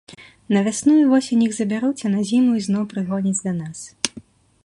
На вясну і восень іх забяруць, а на зіму ізноў прыгоняць да нас.